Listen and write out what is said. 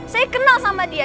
saya kenal sama dia